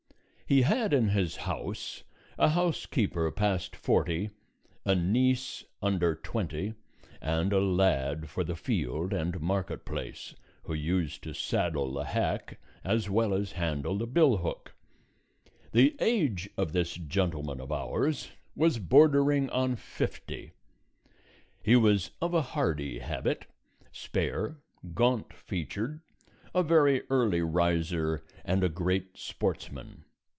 He had in his house a housekeeper past forty, a niece under twenty, and a lad for the field and market place, who used to saddle the hack as well as handle the bill hook. The age of this gentleman of ours was bordering on fifty; he was of a hardy habit, spare, gaunt featured, a very early riser and a great sportsman.